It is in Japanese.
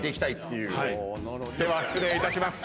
では失礼いたします。